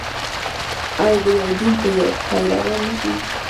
آیا د یو دین پیروان نه دي؟